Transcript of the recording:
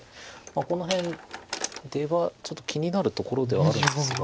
この辺出はちょっと気になるところではあるんですが。